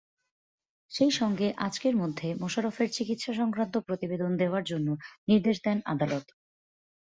সেই সঙ্গে আজকের মধ্যে মোশাররফের চিকিৎসাসংক্রান্ত প্রতিবেদন দেওয়ার জন্য নির্দেশ দেন আদালত।